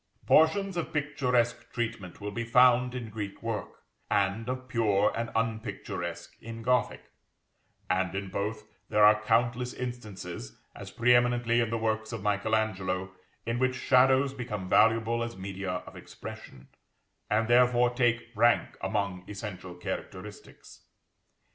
Portions of picturesque treatment will be found in Greek work, and of pure and unpicturesque in Gothic; and in both there are countless instances, as pre eminently in the works of Michael Angelo, in which shadows become valuable as media of expression, and therefore take rank among essential characteristics.